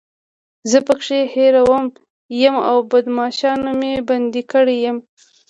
زه پکې هیرو یم او بدماشانو مې بندي کړی یم.